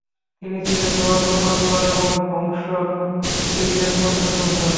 তিনি ছিলেন লোহাত পানওয়ার এবং হংস দেবীর একমাত্র সন্তান।